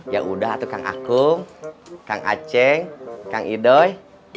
ya udah tuh kak akum kak akceng kak idoi